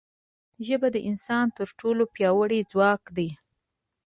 ژبه د انسان تر ټولو پیاوړی ځواک دی